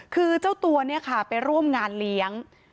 คือเจ้าตัวไปร่วมงานเลี้ยง